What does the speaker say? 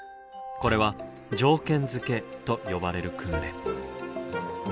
これは「条件付け」と呼ばれる訓練。